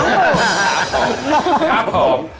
ครับผม